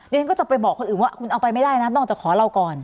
ฉันก็จะไปบอกคนอื่นว่าคุณเอาไปไม่ได้นะนอกจากขอเราก่อน